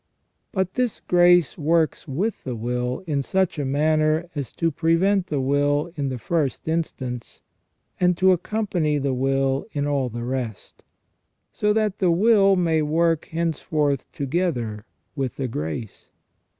But this grace works with the will in such a manner as to prevent the will in the first instance, and to accompany the will in all the rest, so that the will may work henceforth together with the grace.